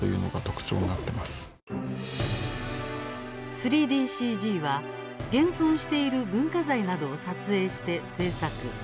３ＤＣＧは、現存している文化財などを撮影して制作。